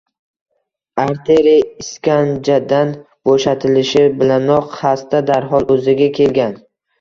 Arteriya iskanjadan bo‘shatilishi bilanoq xasta darhol o‘ziga kelgan